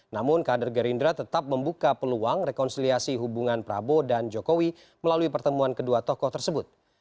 namun kader gerindra tetap membuka peluang rekonsiliasi hubungan prabowo dan jokowi melalui pertemuan kedua tokoh tersebut